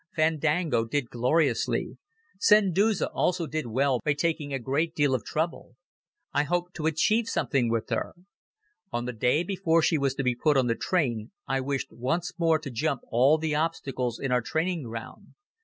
Fandango did gloriously. Santuzza also did well by taking a great deal of trouble. I hoped to achieve something with her. On the day before she was to be put on the train I wished once more to jump all the obstacles in our training ground.